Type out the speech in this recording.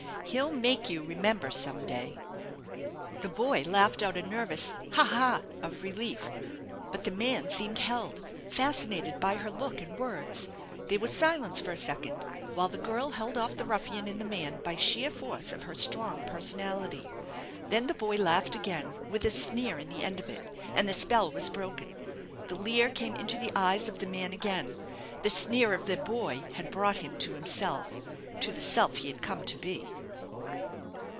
He'll make you remember some day !" The boy laughed out a nervous ha ! ha ! of relief, but the man seemed held, fascinated by her look and words. There was silence for a second while the girl held off the ruffian in the man by sheer force of her strong personality. Then the boy laughed again, with a sneer in the end of it, and the spell was broken. The leer came into the eyes of the man again. The sneer of the boy had brought him to himself, to the self he had come to be.